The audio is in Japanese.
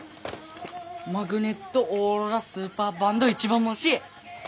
マグネット・オーロラ・スーパーバンド一番星！